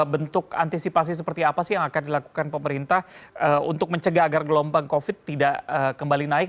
bentuk antisipasi seperti apa sih yang akan dilakukan pemerintah untuk mencegah agar gelombang covid tidak kembali naik